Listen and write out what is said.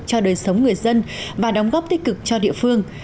cho đời sống người dân và đóng góp tích cực cho địa phương